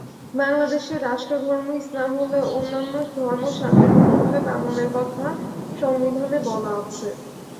বাংলাদেশের রাষ্ট্রধর্ম ইসলাম হলেও অন্যান্য ধর্ম শান্তিপূর্ণভাবে পালনের কথা সংবিধানে বলা আছে।